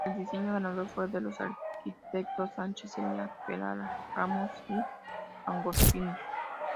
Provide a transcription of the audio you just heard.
El diseño ganador fue de los arquitectos Sánchez Elía, Peralta Ramos y Agostini.